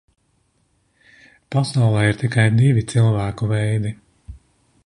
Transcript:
Pasaulē ir tikai divi cilvēku veidi.